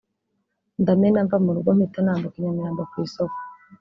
ndamena mva mu rugo mpita nambuka i Nyamirambo ku isoko